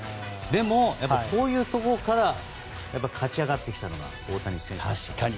でも、こういうところから勝ち上がってきたのが大谷選手ですから。